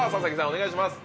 お願いします。